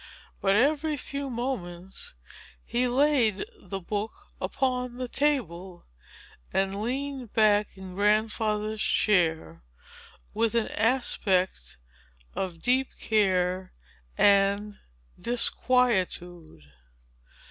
But, every few moments, he laid the book upon the table, and leaned back in Grandfather's chair, with an aspect of deep care and disquietude.